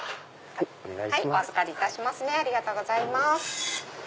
ありがとうございます。